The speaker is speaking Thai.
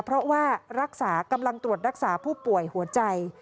เพราะว่ารักษากำลังตรวจรักษาผู้ป่วยหัวใจ